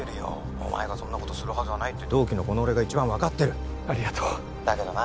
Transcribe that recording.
☎お前がそんなことするはずはないって同期のこの俺が一番分かってるありがとうだけどな